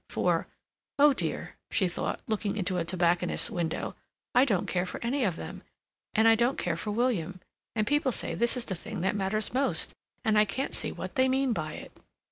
For, "Oh dear," she thought, looking into a tobacconist's window, "I don't care for any of them, and I don't care for William, and people say this is the thing that matters most, and I can't see what they mean by it."